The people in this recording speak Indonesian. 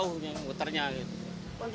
kondisinya jelek kurang bagus harusnya tidak diganti